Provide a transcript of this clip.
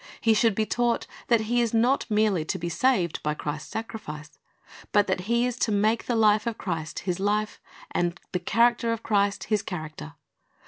He should be taught that he is not merely to be saved by Christ's sacrifice, but that he is to make the life of Christ his life and the character of Christ his character.